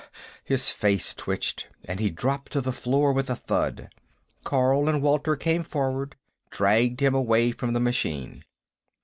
His face twitched, and he dropped to the floor with a thud. Carl and Walter came forward, dragged him away from the machine.